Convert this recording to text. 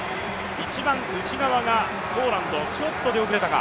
一番内側がポーランド、ちょっと出遅れたか。